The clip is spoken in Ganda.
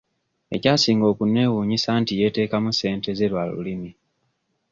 Ekyasinga okunneewunyisa nti yeeteekamu ssente ze lwa lulimi.